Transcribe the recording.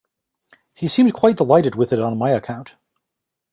He seemed quite delighted with it on my account.